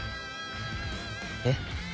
えっ？